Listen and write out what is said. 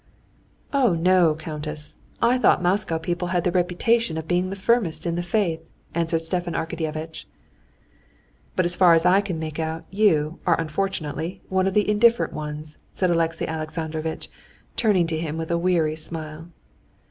"Oh, no, countess, I thought Moscow people had the reputation of being the firmest in the faith," answered Stepan Arkadyevitch. "But as far as I can make out, you are unfortunately one of the indifferent ones," said Alexey Alexandrovitch, turning to him with a weary smile.